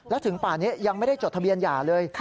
แล้วถึงป่านี้ยังไม่ได้จดทะเบียนหย่าเลย